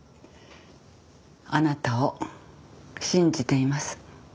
あなたを信じています。